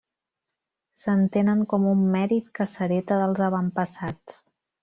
S'entenen com un mèrit que s'hereta dels avantpassats.